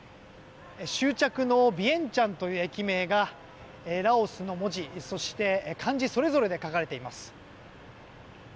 終着のビエンチャンという駅名がラオスの文字そして、漢字それぞれで書かれています。